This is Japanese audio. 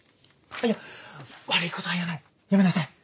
いや悪いことは言わないやめなさい！